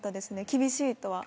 厳しいとは。